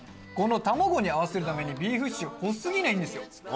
この卵に合わせるためにビーフシチューが濃すぎないんですよ。